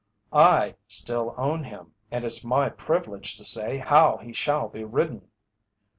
"I still own him, and it's my privilege to say how he shall be ridden."